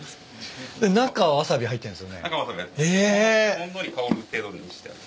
ほんのり香る程度にしてある。